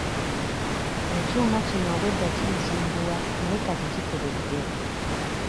Ekyuma kino obwedda kinsumbuwa naye kati kiteredde.